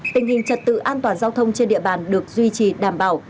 tình hình trật tự an toàn giao thông trên địa bàn được duy trì đảm bảo